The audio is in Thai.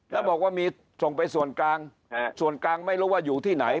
แล้วบอกว่ามีส่งไปส่วนกลางส่วนกลางไม่รู้ว่าอยู่ที่ไหน